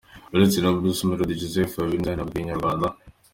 Uretse na Bruce Melodie, Joseph Habineza yanabwiye Inyarwanda.